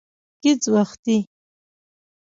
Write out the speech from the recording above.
گهيځ وختي